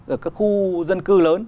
ở các khu dân cư lớn